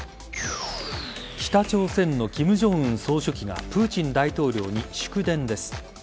北朝鮮の金正恩総書記がプーチン大統領に祝電です。